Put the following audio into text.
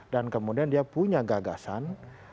dan kemudian dia punya gagasan